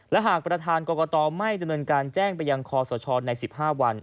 และหากประธานกรกตไม่ดำเนินการแจ้งไปยังคอสชใน๑๕วัน